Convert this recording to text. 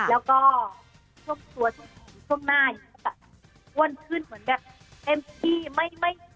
ส่วนหน้าอืมควรขึ้นเหมือนแบบเอ็มพี่